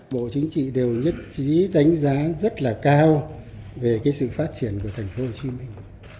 bộ chính trị đều nhất trí đánh giá rất là cao về sự phát triển của thành phố hồ chí minh